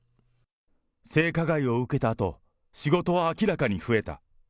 性加害を受けたあと、仕事は明らかに増えた。